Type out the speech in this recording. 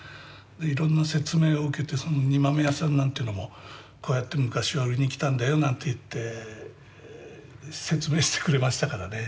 いろんな説明を受けて煮豆屋さんなんていうのもこうやって昔は売りに来たんだよなんて言って説明してくれましたからね。